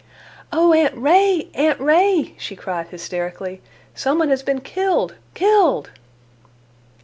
"O Aunt Ray! Aunt Ray!" she cried hysterically. "Some one has been killed, killed!"